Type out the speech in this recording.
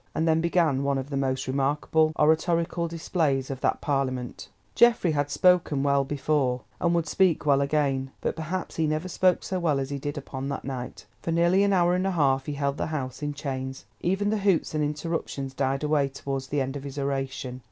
And then began one of the most remarkable oratorical displays of that Parliament. Geoffrey had spoken well before, and would speak well again, but perhaps he never spoke so well as he did upon that night. For nearly an hour and a half he held the House in chains, even the hoots and interruptions died away towards the end of his oration.